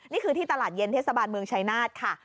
นี่คือที่ตลาดเย็นเทศบาลเมืองชายนาฏค่ะ